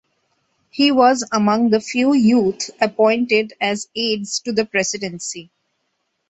He was among the few youth appointed as aids to the presidency.